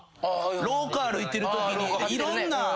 廊下歩いてるときにいろんな。